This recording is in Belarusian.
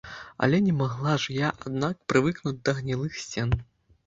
Але не магла ж я, аднак, прывыкнуць да гнілых сцен.